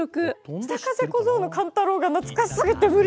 「北風小僧の寒太郎」が懐かしすぎて無理。